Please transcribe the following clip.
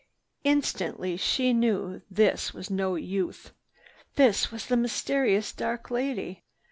Instantly she knew this was no youth. This was the mysterious dark lady!